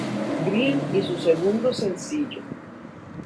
Green y su segundo sencillo.